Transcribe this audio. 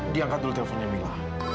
diangkat dulu teleponnya mila